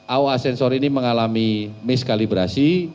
aoa sensor ini mengalami miskalibrasi